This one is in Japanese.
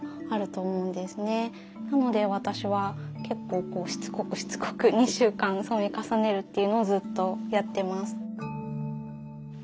なので私は結構こうしつこくしつこく２週間染め重ねるっていうのをずっとやってます。